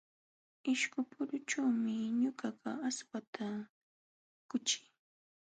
Ishkupurućhuumi ñuqaqa aswata puquchii.